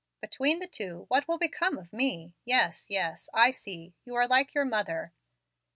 "Between the two, what will become of me? Yes, yes; I see. You are like your mother.